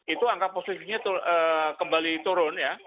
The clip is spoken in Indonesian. itu angka positifnya kembali turun ya